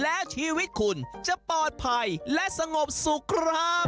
แล้วชีวิตคุณจะปลอดภัยและสงบสุขครับ